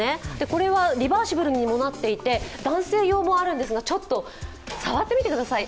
これはリバーシブルにもなっていて、男性用もあるんですが、ちょっと触ってみてください。